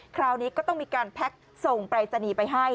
คราวนี้ก็ต้องมีการแพ็กซ์ส่งไปสนิกไปให้